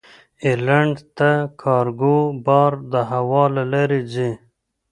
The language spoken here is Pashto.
ایرلنډ ته کارګو بار د هوا له لارې ځي.